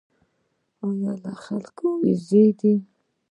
ایا له خلکو ویریږئ؟